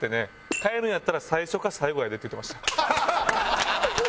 「帰るんやったら最初か最後やで」って言ってました。